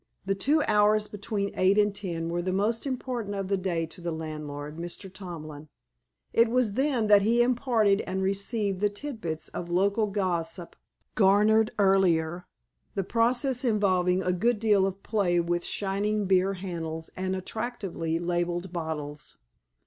The two hours between eight and ten were the most important of the day to the landlord, Mr. Tomlin. It was then that he imparted and received the tit bits of local gossip garnered earlier, the process involving a good deal of play with shining beer handles and attractively labeled bottles.